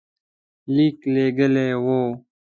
لیک لېږلی وو.